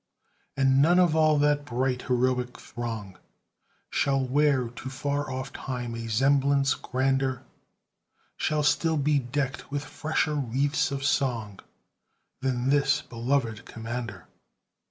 And none of all that bright heroic throng Shall wear to far off time a semblance grander, Shall still be decked with fresher wreaths of song, Than this beloved commander.